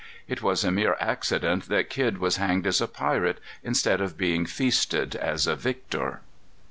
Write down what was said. It was a mere accident that Kidd was hanged as a pirate instead of being feasted as a victor."